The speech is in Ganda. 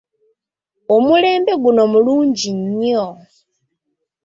Omulembe guno mulungi nnyo.